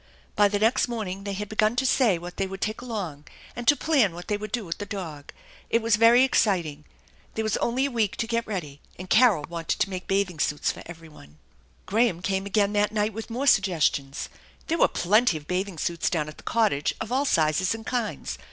By the next morning they had begun to say what they would take along, and to plan what they would do with the dog. It was very exciting. There was only a week to get ready, and Carol wanted to make bathing suits for everybody. Graham came again that night with more suggestions. There were plenty of bathing suits down at the cottage, of all sizes and kinds.